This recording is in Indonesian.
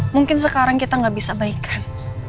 mungkin sekarang kita gak bisa baikan